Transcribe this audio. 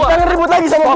lu kan ribut lagi sama gue